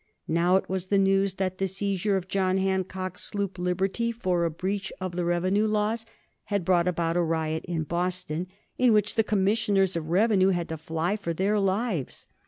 Now it was the news that the seizure of John Hancock's sloop "Liberty" for a breach of the revenue laws had brought about a riot in Boston in which the Commissioners of Revenue had to fly for their lives.